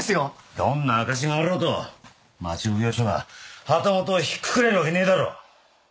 どんな証しがあろうと町奉行所が旗本をひっくくれるわけねぇだろ